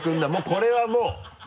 これはもう。